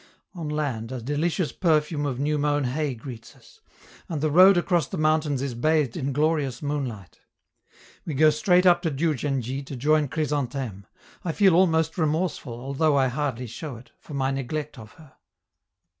On land, a delicious perfume of new mown hay greets us, and the road across the mountains is bathed in glorious moonlight. We go straight up to Diou djen dji to join Chrysantheme; I feel almost remorseful, although I hardly show it, for my neglect of her.